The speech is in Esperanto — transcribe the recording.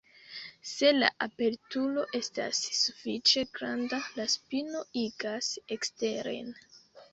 Se la aperturo estas sufiĉe granda, la spino igas eksteren.